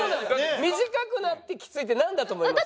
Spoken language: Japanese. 短くなってきついってなんだと思います？